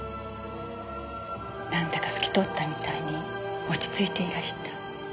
なんだか透き通ったみたいに落ち着いていらした。